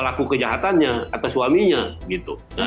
pelaku kejahatannya atau suaminya gitu